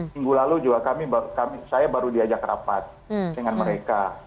minggu lalu juga kami saya baru diajak rapat dengan mereka